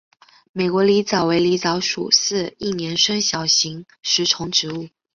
美丽狸藻为狸藻属似一年生小型食虫植物。